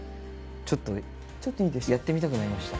ちょっとやってみたくなりました。